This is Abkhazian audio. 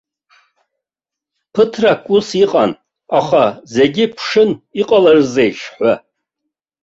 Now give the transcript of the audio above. Ԥыҭрак ус иҟан, аха зегьы ԥшын иҟаларызеишь ҳәа.